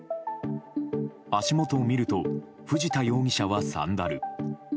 足元を見ると藤田容疑者はサンダル。